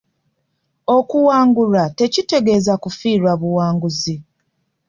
Okuwangulwa tekitegeeza kufiirwa buwanguzi.